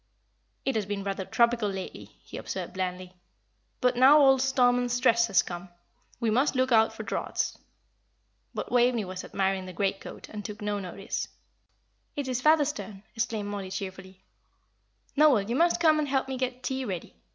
"It has been rather tropical lately," he observed, blandly, "but now old 'Storm and Stress' has come, we must look out for draughts." But Waveney was admiring the great coat, and took no notice. "It is father's turn," exclaimed Mollie, cheerfully. "Noel, you must come and help me get tea ready.